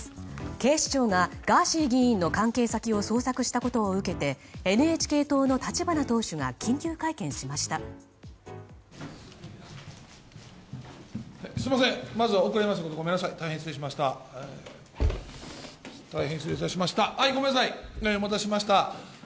警視庁がガーシー議員の関係先を捜索したことを受けてＮＨＫ党の立花党首が緊急会見しました。